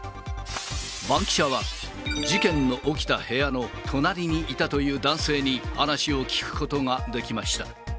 バンキシャは、事件の起きた部屋の隣にいたという男性に話を聞くことができました。